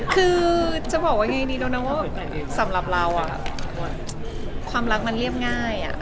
คือจะบอกว่าไงนี่โดนเบาสำหรับเราย์ความรักมันเรียบง่าย